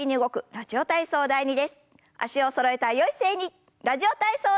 「ラジオ体操第２」。